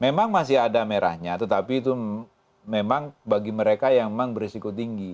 memang masih ada merahnya tetapi itu memang bagi mereka yang memang berisiko tinggi